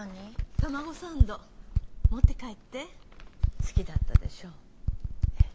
卵サンド持って帰って好きだったでしょえっ？